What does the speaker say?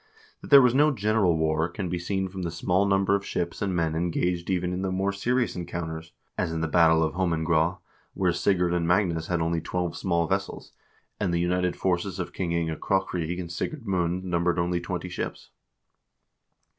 That there was no general war can be seen from the small number of ships and men engaged even in the more serious encounters, as in the battle of Holmengraa, where Sigurd and Magnus had only twelve small vessels, and the united forces of King Inge Krokryg and Sigurd Mund numbered only twenty ships.